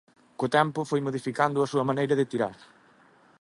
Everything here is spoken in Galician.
Co tempo foi modificando a súa maneira de tirar.